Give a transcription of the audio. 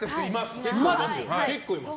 結構います。